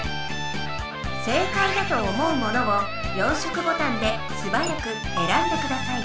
正解だと思うものを４色ボタンですばやくえらんでください。